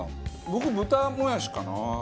僕豚もやしかな。